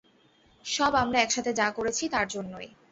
সব আমরা একসাথে যা করেছি তার জন্যই।